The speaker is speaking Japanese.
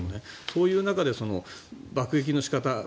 そういう中で、爆撃の仕方